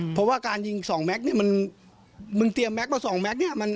เพราะว่าการยิงสองแม็กซ์นี่มึงเตรียมแม็กซ์มาสองแม็กซ์นี่